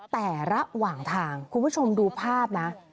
แต่ระหว่างทางคุณผู้ชมดูภาพนะ